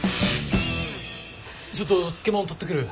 ちょっと漬物取ってくる。